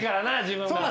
自分が。